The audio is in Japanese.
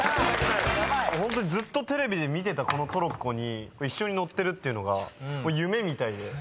ホントにずっとテレビで見てたこのトロッコに一緒に乗ってるっていうのが夢みたいで。